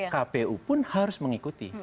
kpu pun harus mengikuti